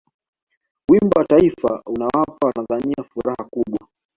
wimbo wa taifa unawapa watanzania furaha kubwa